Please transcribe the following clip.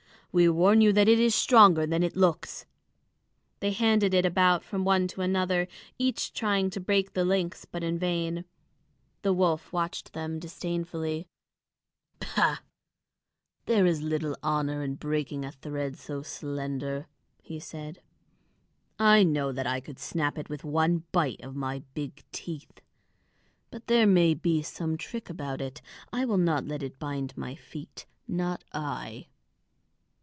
We warn you that it is stronger than it looks." They handed it about from one to another, each trying to break the links, but in vain. The wolf watched them disdainfully. "Pooh! There is little honor in breaking a thread so slender!" he said. "I know that I could snap it with one bite of my big teeth. But there may be some trick about it; I will not let it bind my feet, not I."